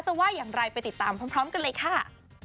ว่าอย่างไรไปติดตามพร้อมกันเลยค่ะ